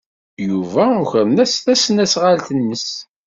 Yuba ukren-as tasnasɣalt-nnes.